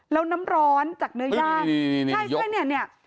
แล้วน้ำร้อนจากเนื้อย่าง